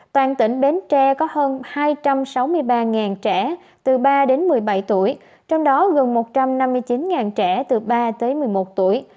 toàn tỉnh bến tre có hơn hai trăm sáu mươi ba trẻ từ ba đến một mươi bảy tuổi trong đó gần một trăm năm mươi chín trẻ từ ba tới một mươi một tuổi